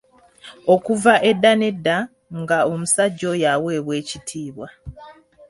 Okuva edda n'edda nga omusajja oyo aweebwa ekitiibwa.